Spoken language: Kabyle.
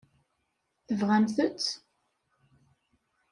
Tebɣamt-tt?